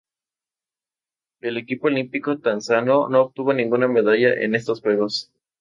El equipo olímpico tanzano no obtuvo ninguna medalla en estos Juegos.